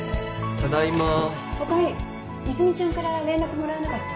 ただいまーおかえり泉ちゃんから連絡もらわなかった？